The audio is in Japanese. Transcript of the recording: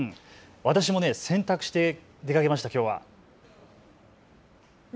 私も洗濯して出かけました、きょうは。